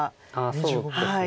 そうですね。